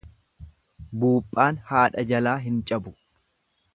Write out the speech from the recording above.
Buuphaan haadha jalaa hin cabu.